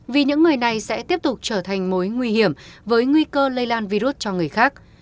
vì những người này sẽ tiếp tục trở thành mối nguy hiểm với nguy cơ lây lan virus cho người khác